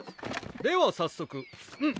では早速。